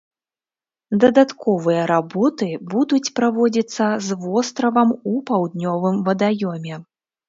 Дадатковыя работы будуць праводзіцца з востравам у паўднёвым вадаёме.